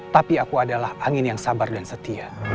tapi aku adalah angin yang sabar dan setia